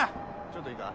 ちょっといいか？